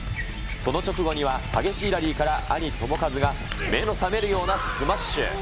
その直後には、激しいラリーから兄、智和が目の覚めるようなスマッシュ。